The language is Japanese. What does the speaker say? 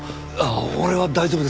俺は大丈夫ですけど。